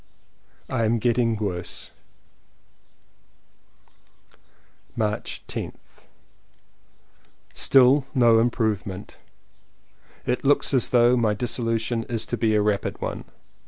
I am getting worse. March 2nd. March 10th. Still no improvement. It looks as though my dissolution is to be a rapid one.